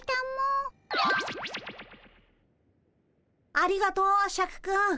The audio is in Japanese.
ありがとうシャクくん。